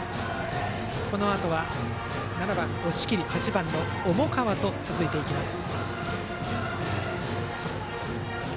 このあとは７番、押切８番、重川と続いていきます。